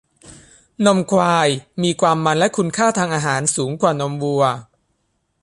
นมควายมีความมันและคุณค่าทางอาหารสูงกว่านมวัว